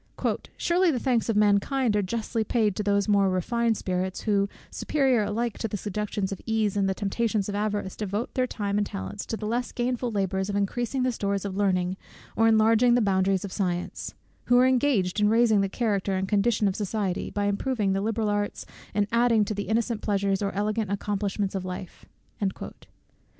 "Surely the thanks of mankind are justly paid to those more refined spirits who, superior alike to the seductions of ease, and the temptations of avarice, devote their time and talents to the less gainful labours of increasing the stores of learning or enlarging the boundaries of science; who are engaged in raising the character and condition of society, by improving the liberal arts, and adding to the innocent pleasures or elegant accomplishments of life."